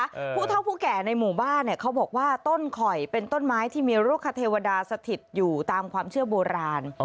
ผู้เท่าผู้แก่ในหมู่บ้านเนี้ยเขาบอกว่าต้นข่อยเป็นต้นไม้ที่มีลูกคเทวดาสถิตอยู่ตามความเชื่อโบราณ